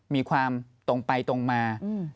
มีความตรงไปตรงมา